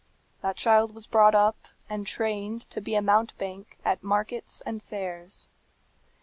"That child was brought up, and trained to be a mountebank at markets and fairs.